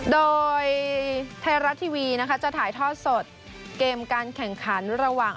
โดยไทยรัฐทีวีนะคะจะถ่ายทอดสดเกมการแข่งขันระหว่าง